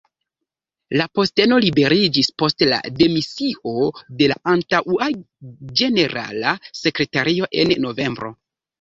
La posteno liberiĝis post la demisio de la antaŭa ĝenerala sekretario en novembro.